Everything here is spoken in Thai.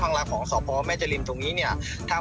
ผู้หมวดก็ตัวจริงไม่ใช่เหรอ